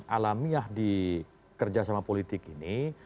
alamiah di kerjasama politik ini